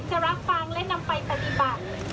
จะรับฟังและนำไปปฏิบัติ